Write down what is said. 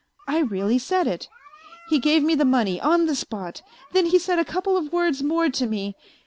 I really said it. He gave me the money, on the spot, then he said a couple of words more to me.